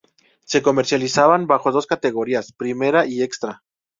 Se comercializan bajo dos categorías "primera" y "extra".